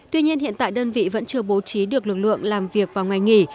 tuy nhiên hiện tại đơn vị vẫn chưa bố trí được lực lượng làm việc vào ngày nghỉ